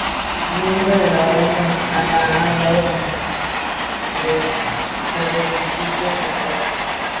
Miembro de la Orden Franciscana ha hablado constantemente sobre justicia social.